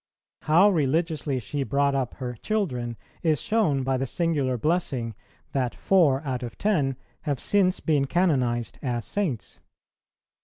How religiously she brought up her children is shown by the singular blessing, that four out of ten have since been canonized as Saints.